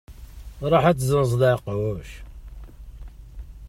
Ruḥ ad tezzenzeḍ aɛeqquc.